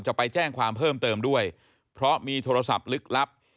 จะไปแจ้งความเพิ่มเติมด้วยเพราะมีโทรศัพท์ลึกลับ